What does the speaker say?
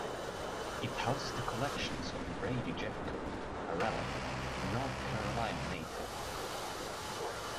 It houses the collections of Brady Jefcoat, a Raleigh, North Carolina native.